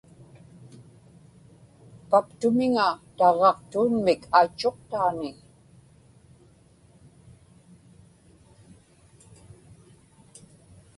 paptumiŋa taġġaqtuunmik aitchuqtaani